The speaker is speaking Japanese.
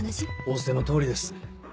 仰せの通りです。